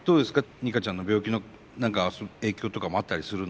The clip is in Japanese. ニカちゃんの病気の何か影響とかもあったりするの？